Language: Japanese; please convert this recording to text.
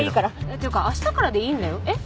っていうか明日からでいいんだよ。